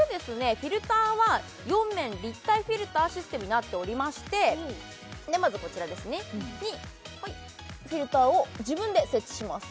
フィルターは４面立体フィルターシステムになっておりましてまずこちらですねにフィルターを自分で設置します